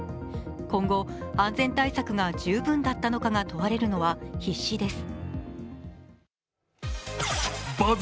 今後、安全対策が十分だったか問われるのは必至です。